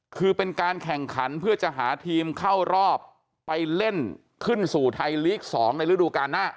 คือเป็นการแข่งขันเพื่อจะหาทีมเข้ารอบไปเล่นขึ้นสู่ไทยลีก๒ในฤดูการหน้า